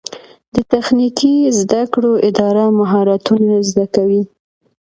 د تخنیکي زده کړو اداره مهارتونه زده کوي